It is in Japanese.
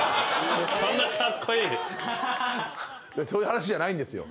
そういう話じゃないんですよ。